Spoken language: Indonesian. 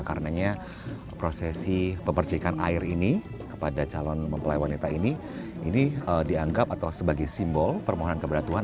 karenanya prosesi memercikan air ini pada calon mempelai wanita ini ini dianggap atau sebagai simbol permohonan kepada tuhan